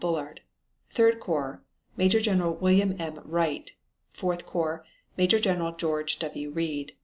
Bullard Third corps Major General William M. Wright. Fourth corps Major General George W. Read.